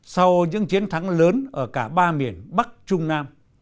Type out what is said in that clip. sau những chiến thắng lớn ở cả ba miền bắc trung nam